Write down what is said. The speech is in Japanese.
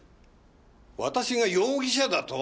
私が容疑者だと？